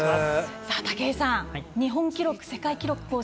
武井さん日本記録、世界記録更新。